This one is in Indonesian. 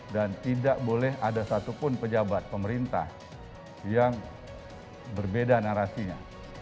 dan tidak boleh ada satupun pejabat pemerintah yang berbeda narasinya